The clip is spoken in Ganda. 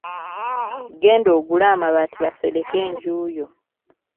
Genda ogule amabaati basereke enju yo.